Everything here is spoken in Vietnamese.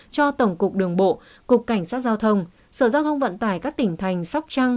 cho tổng cục đường bộ cục cảnh sát giao thông sở giao thông vận tải các tỉnh thành sóc trăng